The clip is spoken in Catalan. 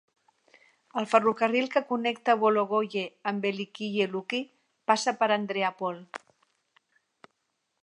El ferrocarril que connecta Bologoye amb Velikiye Luki passa per Andreapol.